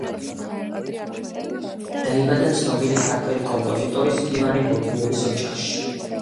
დაიბადა ცნობილი ქართველი კომპოზიტორის, ივანე გოკიელის ოჯახში.